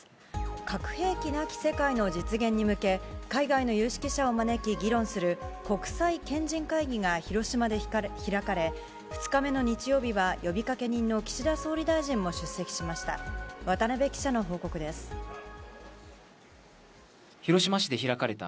核兵器なき世界の実現に向け、海外の有識者を招き議論する、国際賢人会議が広島で開かれ、２日目の日曜日は、呼びかけ人の岸田総理大臣も出席しました。